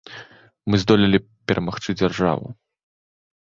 Мы здолелі перамагчы дзяржаву.